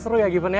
seru ya given ya